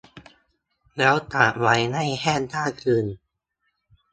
แล้วตากไว้ให้แห้งข้ามคืน